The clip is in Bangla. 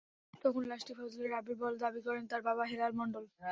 তখন লাশটি ফজলে রাব্বীর বলে দাবি করেন তাঁর বাবা হেলাল মণ্ডল।